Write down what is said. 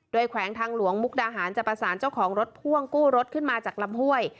แขวงทางหลวงมุกดาหารจะประสานเจ้าของรถพ่วงกู้รถขึ้นมาจากลำห้วย